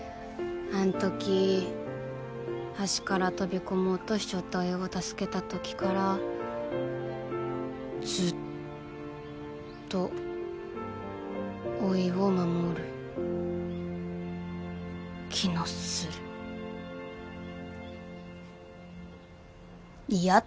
あん時橋から飛び込もうとしちょったおいを助けた時からずっとおいを守る気のする嫌と？